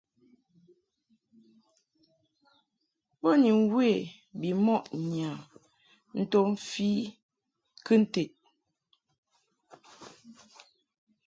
Bo ni mwe bimɔʼ ŋyam nto mfi kɨnted.